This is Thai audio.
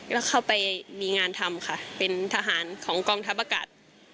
แล้วเข้าไปมีงานทำค่ะเป็นทหารของกองทัพอากาศ